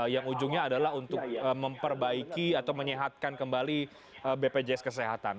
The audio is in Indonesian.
yang ujungnya adalah untuk memperbaiki atau menyehatkan kembali bpjs kesehatan